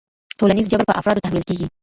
ټولنیز جبر په افرادو تحمیل کېږي.